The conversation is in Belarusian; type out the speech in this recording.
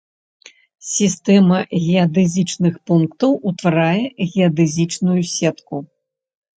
Сістэма геадэзічных пунктаў утварае геадэзічную сетку.